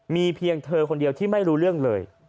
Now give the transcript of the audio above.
มีเพียงเธอคนเดียวที่ไม่รู้เรื่องเลย